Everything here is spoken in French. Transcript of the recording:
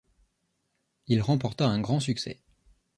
Il remporta un grand succès.